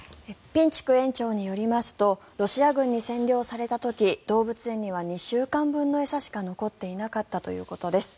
ピンチュク園長によりますとロシア軍に占領された時動物園には２週間分の餌しか残っていなかったということです。